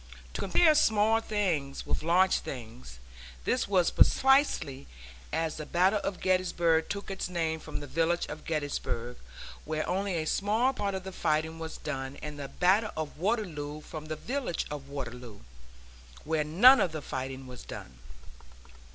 To compare small things with large things, this was precisely as the Battle of Gettysburg took its name from the village of Gettysburg, where only a small part of the fighting was done; and the battle of Waterloo from the village of Waterloo, where none of the fighting was done.